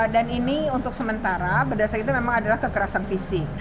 dan ini untuk sementara berdasarkan itu memang adalah kekerasan visi